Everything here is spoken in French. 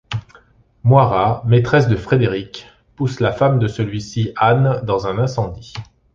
Moira, maitresse de Frédéric, pousse la femme de celui-ci, Anne, dans un incendie.